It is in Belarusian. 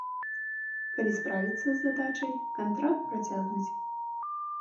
Калі справіцца з задачай, кантракт працягнуць.